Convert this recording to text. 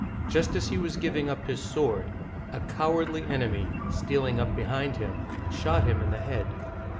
Just as he was giving up his sword, a cowardly enemy, stealing up behind him, shot him in the head